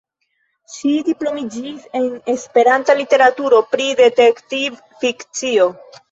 Ŝi diplomiĝis en esperanta literaturo pri detektiv-fikcio.